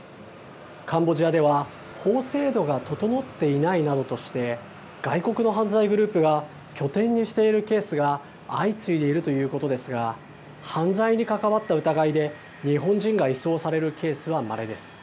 カンボジアでは法制度が整っていないなどとして、外国の犯罪グループが拠点にしているケースが相次いでいるということですが、犯罪に関わった疑いで日本人が移送されるケースはまれです。